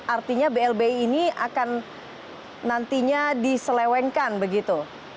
artinya blbi ini akan nantinya diselewengkan begitu